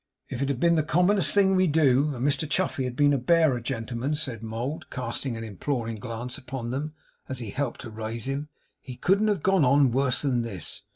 'If it had been the commonest thing we do, and Mr Chuffey had been a Bearer, gentlemen,' said Mould, casting an imploring glance upon them, as he helped to raise him, 'he couldn't have gone on worse than this.